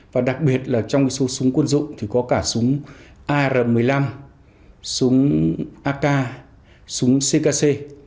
và đặc biệt là trong cái số súng quân dụng thì có cả súng ar một mươi năm súng ak súng ckc